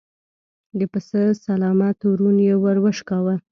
د پسه سلامت ورون يې ور وشکاوه.